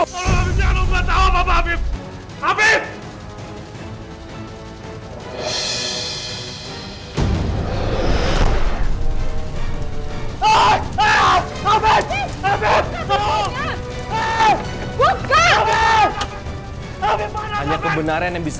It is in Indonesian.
tolong afif jangan om gak tau apa apa afif